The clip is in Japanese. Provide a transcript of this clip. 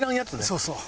そうそう。